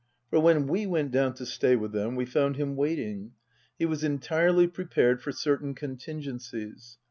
For when we went down to stay with them we found him waiting. He was entirely prepared for certain contingencies.